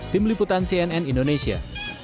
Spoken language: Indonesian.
tim liputan cnn indonesia